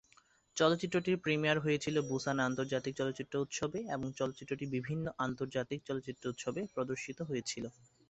চলচ্চিত্রটির প্রিমিয়ার হয়েছিল বুসান আন্তর্জাতিক চলচ্চিত্র উৎসবে এবং চলচ্চিত্রটি বিভিন্ন আন্তর্জাতিক চলচ্চিত্র উৎসবে প্রদর্শিত হয়েছিল।